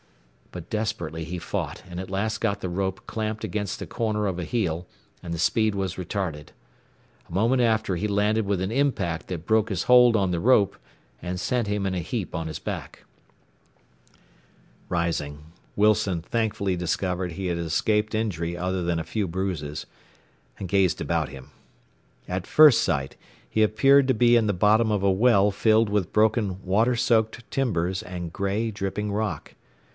But desperately he fought, and at last got the rope clamped against the corner of a heel, and the speed was retarded. A moment after he landed with an impact that broke his hold on the rope and sent him in a heap on his back. Rising, Wilson thankfully discovered he had escaped injury other than a few bruises, and gazed about him. At first sight he appeared to be in the bottom of a well filled with broken water soaked timbers and gray, dripping rock.